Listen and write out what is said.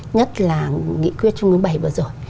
nhất là nghị quyết trung hoa bảy vừa rồi